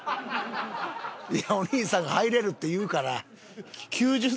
いやお兄さんが入れるって言うから。